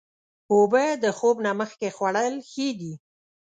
اوبه د خوب نه مخکې خوړل ښې دي.